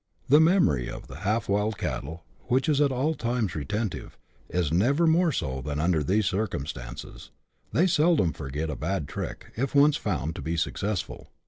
The memory of the half wild cattle, which is at all times retentive, is never more so than under these circumstances : they seldom forget a bad trick, if once found to be successful.